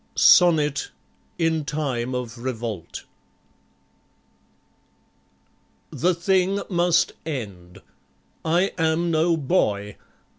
Sonnet: in Time of Revolt The Thing must End. I am no boy!